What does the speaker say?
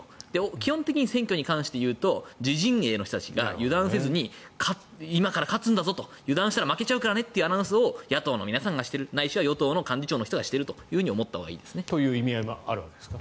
基本的に選挙に関していうと自陣営の人たちが油断せずに今から勝つんだぞと油断したら負けちゃうからねというアナウンスを野党がしているないしは与党の幹事長の人が言っていると思ったほうがいいと思いますね。